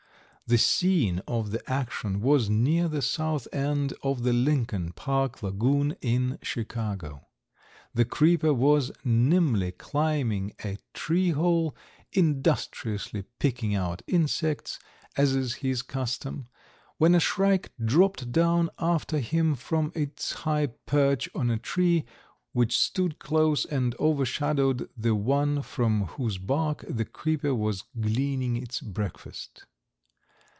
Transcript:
The scene of the action was near the south end of the Lincoln Park lagoon in Chicago. The creeper was nimbly climbing a tree hole, industriously picking out insects, as is his custom, when a shrike dropped down after him from its high perch on a tree which stood close and overshadowed the one from whose bark the creeper was gleaning its breakfast.